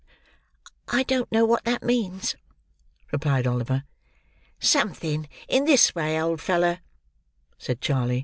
"I don't know what that means," replied Oliver. "Something in this way, old feller," said Charly.